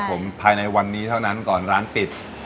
ผมภายในวันนี้เท่านั้นก่อนร้านปิด